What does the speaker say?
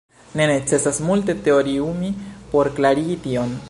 Ne necesas multe teoriumi por klarigi tion.